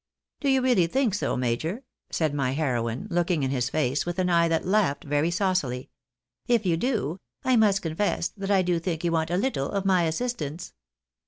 " Do you really think so, major ?" said my heroine, looking in his face, with an eye that laughed very saucily. " If you do, I must confess that I do think you want a little of my assistance."